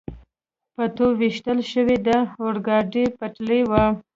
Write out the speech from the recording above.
په توپ ویشتل شوې د اورګاډي پټلۍ وه.